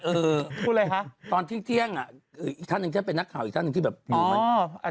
เออตอนเสียงอาจารย์น่ะใช่ไหมคะ